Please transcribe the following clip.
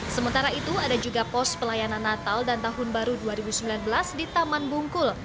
sementara itu ada juga pos pelayanan natal dan tahun baru dua ribu sembilan belas di taman bungkul